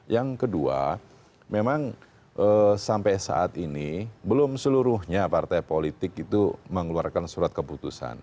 yang kedua memang sampai saat ini belum seluruhnya partai politik itu mengeluarkan surat keputusan